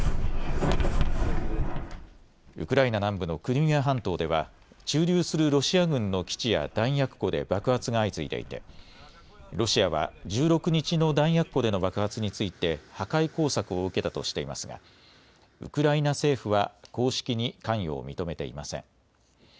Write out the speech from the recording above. ウクライナ南部のクリミア半島では駐留するロシア軍の基地や弾薬庫で爆発が相次いでいてロシアは１６日の弾薬庫での爆発について破壊工作を受けたとしていますがウクライナ政府は公式に関与を認めていません。